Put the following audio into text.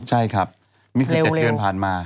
ใช่ครับนี่คือ๗เดือนผ่านมา